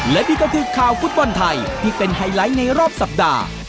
และนี่ก็คือข่าวฟุตบอลไทยที่เป็นไฮไลท์ในรอบสัปดาห์